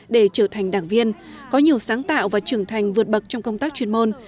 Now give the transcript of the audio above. để trở thành đảng viên có nhiều sáng tạo và trưởng thành vượt bậc trong công tác chuyên môn